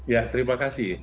ya terima kasih